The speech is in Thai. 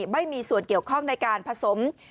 ไม่มีส่วนเกี่ยวข้องในการผสม